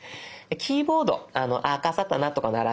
キーボードあかさたなとか並んでいる所